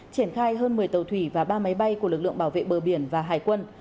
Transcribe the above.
triển khai hơn một mươi tàu thủy và ba máy bay của lực lượng bảo vệ bờ biển và hải quân